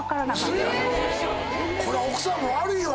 こら奥さんも悪いわ！